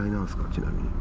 ちなみに。